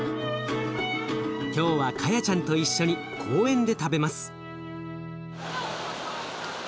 今日はカヤちゃんと一緒に公園で食べます。